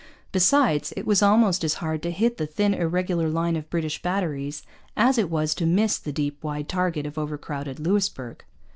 Besides, it was almost as hard to hit the thin, irregular line of British batteries as it was to miss the deep, wide target of overcrowded Louisbourg.